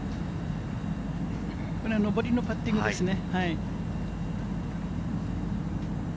上りのパッティングですね。